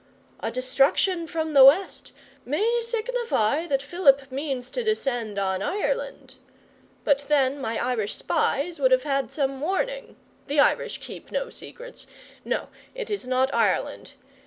'A destruction from the West may signify that Philip means to descend on Ireland. But then my Irish spies would have had some warning. The Irish keep no secrets. No it is not Ireland.